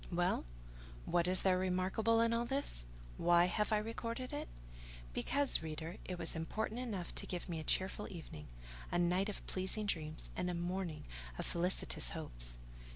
Well! what is there remarkable in all this? Why have I recorded it? Because, reader, it was important enough to give me a cheerful evening, a night of pleasing dreams, and a morning of felicitous hopes.